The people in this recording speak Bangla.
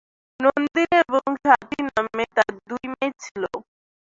নন্দিনী এবং স্বাতী নামে তার দুই মেয়ে ছিল।